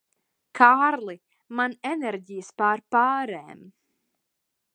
Kārli, man enerģijas pārpārēm.